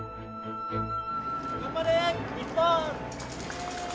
頑張れ、日本！